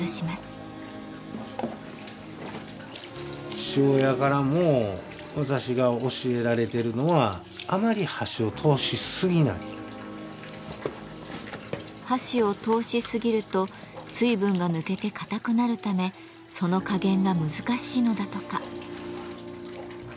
父親からも私が教えられてるのは箸を通しすぎると水分が抜けてかたくなるためその加減が難しいのだとか。